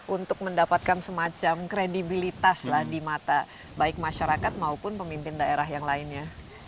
untuk mendapatkan semacam kredibilitas lah di mata baik masyarakat maupun pemimpin daerah yang lainnya